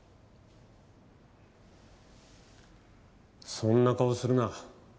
・そんな顔するな。